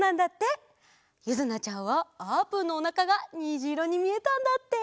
ゆずなちゃんはあーぷんのおなかがにじいろにみえたんだって。